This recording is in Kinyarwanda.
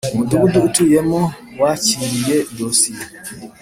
Umudugudu atuyemo wakiriye dosiye